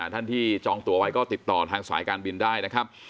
ท่านที่จองตัวไว้ก็ติดต่อทางสายการบินได้นะครับ